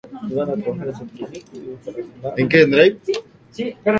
Todos estos problemas llevaron a que la filmación fuera estancada por ocho meses.